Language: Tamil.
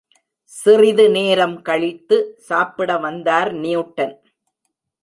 சிறிது நேரம் கழித்து சாப்பிடவந்தார் நியூட்டன்.